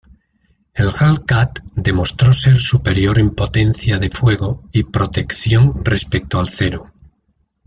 El Hellcat demostró ser superior en potencia de fuego y protección respecto al Zero.